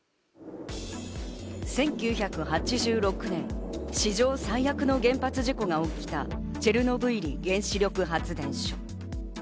１９８６年、史上最悪の原発事故が起きたチェルノブイリ原子力発電所。